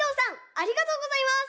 ありがとうございます。